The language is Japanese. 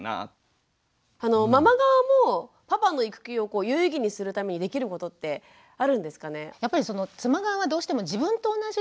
ママ側もパパの育休を有意義にするためにできることってあるんですかね？